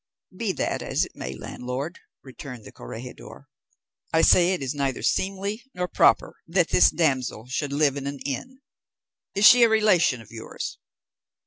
"Be that as it may, landlord," returned the corregidor; "I say it is neither seemly nor proper that this damsel should live in an inn. Is she a relation of yours?"